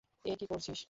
এ কি করছিস?